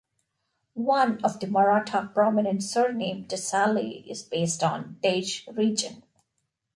One of the Maratha prominent surname 'Desale' is based on 'Desh' region.